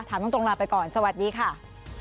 ถามตรงลาไปก่อนสวัสดีค่ะ